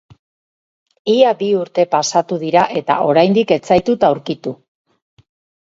Ia bi urte pasatu dira eta oraindik ez zaitut aurkitu.